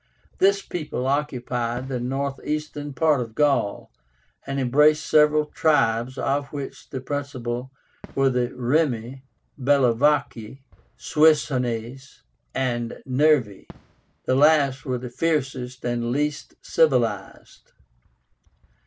This people occupied the northeastern part of Gaul, and embraced several tribes, of which the principal were the REMI, BELLOVACI, SUESSIÓNES, and NERVII. The last were the fiercest and least civilized.